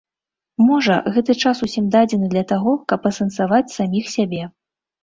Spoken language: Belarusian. Можа, гэты час усім дадзены для таго, каб асэнсаваць саміх сябе.